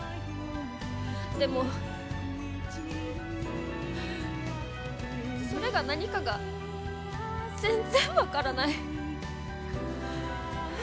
でもそれが何かが全然分からない。